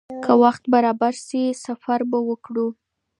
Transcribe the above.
که وخت برابر شي، سفر به وکړو.